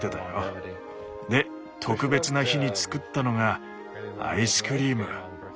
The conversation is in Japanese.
で特別な日に作ったのがアイスクリーム。